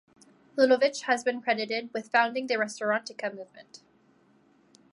Ludovic has been credited with founding the Restaurantica movement.